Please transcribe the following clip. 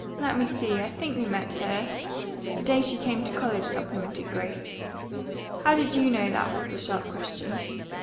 "Let me see, I think we met her " "The day she came to college," supplemented Grace. "How did you know that?" was the sharp question.